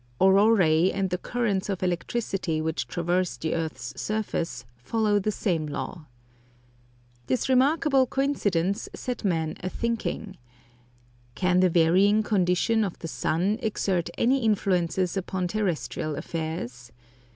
Auroræ, and the currents of electricity which traverse the earth's surface, follow the same law. This remarkable coincidence set men a thinking. Can the varying condition of the sun exert any influences upon terrestrial affairs?